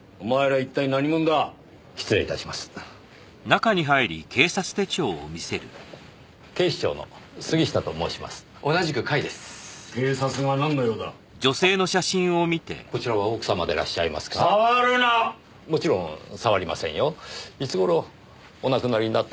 いつ頃お亡くなりになったのでしょう。